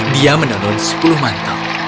dia menenun sepuluh mantel